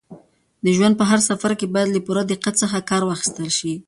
د ژوند په هر سفر کې باید له پوره دقت څخه کار واخیستل شي.